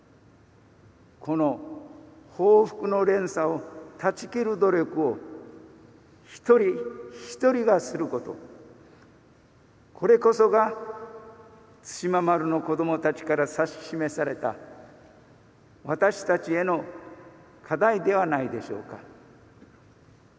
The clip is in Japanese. この報復の連鎖を断ち切る努力を一人ひとりがすることこれこそが対馬丸の子どもたちから指し示された私たちへの「課題」ではないでしょうか」。